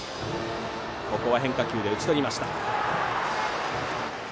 ここは変化球で打ち取りました。